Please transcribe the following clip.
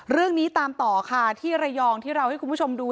เรื่องนี้ตามต่อค่ะที่ระยองที่เราให้คุณผู้ชมดู